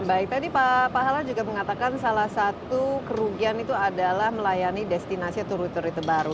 baik tadi pak hala juga mengatakan salah satu kerugian itu adalah melayani destinasi turut turut baru